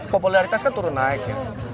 popularitas kan turun naik